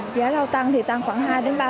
giá rau tăng tăng khoảng hai ba lần